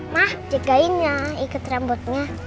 mah jagain ya ikat rambutnya